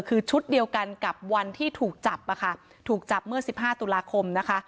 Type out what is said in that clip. คือชุดเดียวกันกับวันที่ถูกจับอะค่ะถูกจับเมื่อสิบห้าตุลาคมนะคะ